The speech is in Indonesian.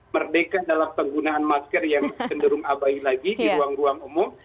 merdeka dalam penggunaan masker yang cenderung abai lagi di ruang ruang umum